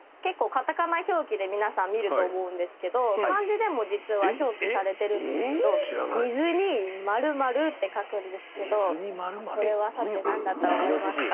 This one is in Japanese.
カタカナ表記で皆さん見ると思うんですけど漢字でも実は表記されてるんですけど水に○○って書くんですけどそれはさて何だと思いますか？